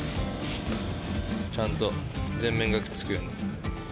ちゃんと全面がくっつくように。